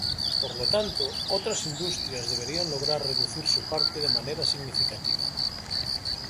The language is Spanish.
Por lo tanto, otras industrias deberían lograr reducir su parte de manera significativa.